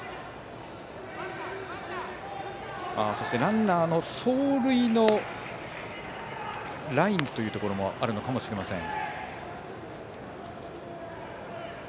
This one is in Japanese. そしてランナーの走塁のラインというところもあるのかもしれません。